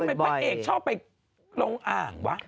ทำไมพระเอกชอบไปลงอ่างว่ะ